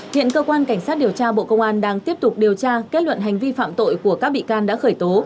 hiện cơ quan cảnh sát điều tra bộ công an đang tiếp tục điều tra kết luận hành vi phạm tội của các bị can đã khởi tố